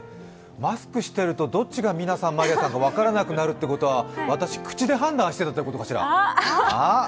マスクしてると、どっちか分からなくなるということは私、口で判断しているということかしら？